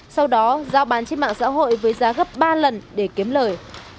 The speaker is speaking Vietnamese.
sau đó giao bán trên mạng xã hội với giá gấp ba lần để kiếm lời